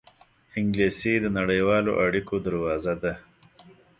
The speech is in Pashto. انګلیسي د نړیوالو اړېکو دروازه ده